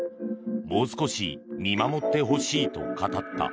もう少し見守ってほしいと語った。